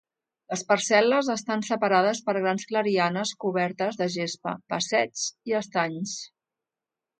Les parcel·les estan separades per grans clarianes cobertes de gespa, passeigs i estanys.